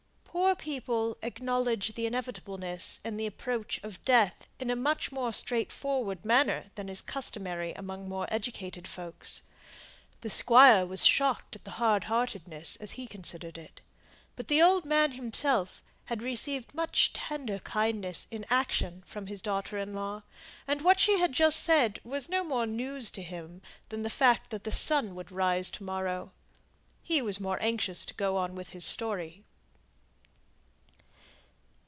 Poor people acknowledge the inevitableness and the approach of death in a much more straightforward manner than is customary among more educated folk. The Squire was shocked at her hard heartedness, as he considered it; but the old man himself had received much tender kindness from his daughter in law; and what she had just said was no more news to him than the fact that the sun would rise to morrow. He was more anxious to go on with his story.